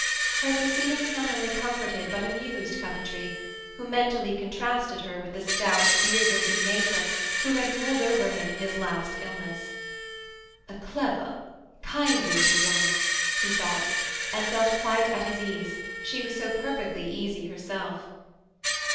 Her proceedings not only comforted but amused Coventry, who mentally contrasted her with the stout, beer drinking matron who had ruled over him in his last illness. "A clever, kindly little woman," he thought, and felt quite at his ease, she was so perfectly easy herself.